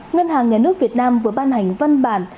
ngân hàng nhà nước việt nam vừa ban hành văn bản